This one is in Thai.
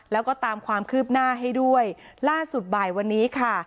แล้วก็ตามความคืบหน้าให้ด้วยล่าสุดบ่ายวันนี้ค่ะ